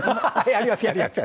やりますやります。